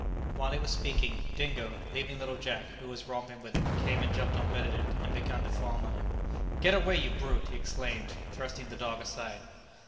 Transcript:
While he was speaking, Dingo, leaving little Jack, who was romping with him, came and jumped on Benedict, and began to fawn on him. "Get away, you brute!" he exclaimed, thrusting the dog aside.